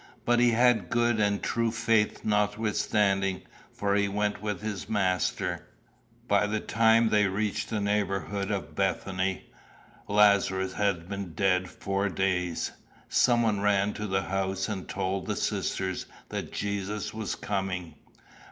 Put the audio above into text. But he had good and true faith notwithstanding; for he went with his Master. "By the time they reached the neighbourhood of Bethany, Lazarus had been dead four days. Someone ran to the house and told the sisters that Jesus was coming.